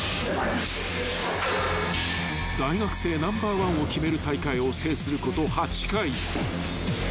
［大学生ナンバーワンを決める大会を制すること８回］